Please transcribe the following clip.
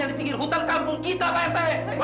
yang di pinggir hutan kampung kita pak rt